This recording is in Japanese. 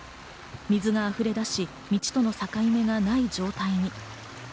水が溢れ出し、道との境目がない状態に。